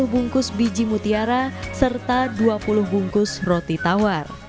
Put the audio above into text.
dua puluh bungkus biji mutiara serta dua puluh bungkus roti tawar